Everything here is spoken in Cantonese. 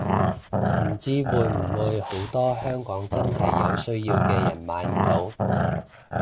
唔知會唔會好多香港真係有需要嘅人買唔到